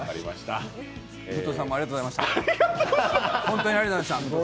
武藤さんもありがとうございました。